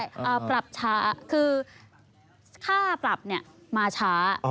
อ่าปรับช้าคือค่าปรับเนี่ยมาช้า